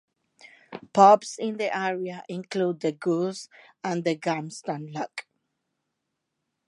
Pubs in the area include 'The Goose' and 'The Gamston Lock'.